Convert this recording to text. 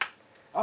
あ！